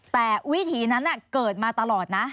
แต่วิถีนั้นเกิดมาตลอดนะ